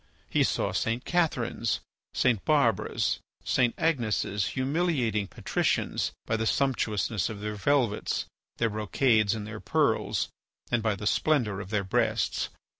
He saw St. Catherines, St. Barbaras, St. Agneses humiliating patricians by the sumptuousness of their velvets, their brocades, and their pearls, and by the splendour of their breasts.